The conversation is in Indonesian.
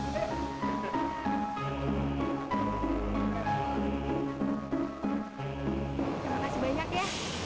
terima kasih banyak ya